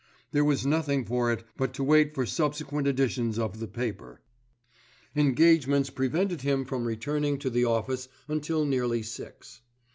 There was nothing for it but to wait for subsequent editions of the paper. Engagements prevented him from returning to the office until nearly six.